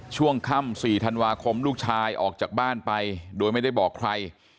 ช่วงค่ำ๔ธันวาคมลูกชายออกจากบ้านไปโดยไม่ได้บอกใคร